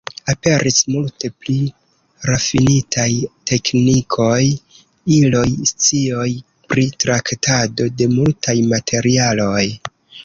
Aperis multe pli rafinitaj teknikoj, iloj, scioj pri traktado de multaj materialoj.